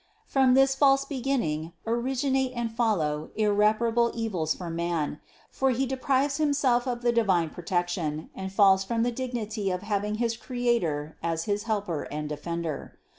From this false be ginning originate and follow irreparable evils for man; for he deprives himself of the divine protection and falls from the dignity of having his Creator as his Helper and Defender.